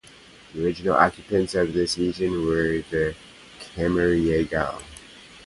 The original occupants of this region were the Cammeraygal.